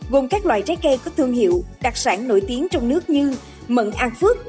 gồm các loại trái cây có thương hiệu đặc sản nổi tiếng trong nước như mận an phước